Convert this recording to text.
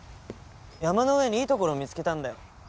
山の上にいいところ見つけたんだよ